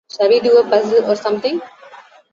Shall we do a puzzle or something?